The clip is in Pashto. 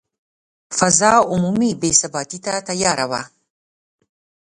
فضا عمومي بې ثباتي ته تیاره وه.